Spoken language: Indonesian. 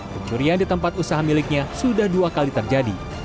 pencurian di tempat usaha miliknya sudah dua kali terjadi